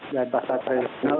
dan pasar tradisional